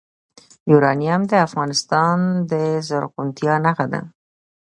یورانیم د افغانستان د زرغونتیا نښه ده.